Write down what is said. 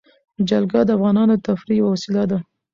جلګه د افغانانو د تفریح یوه وسیله ده.